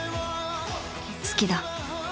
好きだ